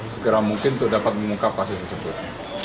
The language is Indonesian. segera mungkin untuk dapat mengungkap kasus tersebut